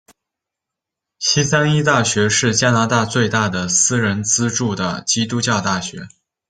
西三一大学是加拿大最大的私人资助的基督教大学。